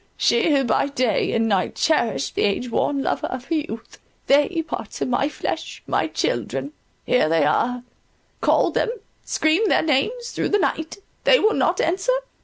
She who by day and night cherished the age worn lover of her youth—they, parts of my flesh, my children—here they are: call them, scream their names through the night; they will not answer!"